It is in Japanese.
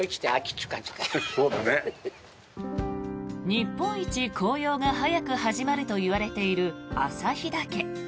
日本一紅葉が早く始まるといわれている旭岳。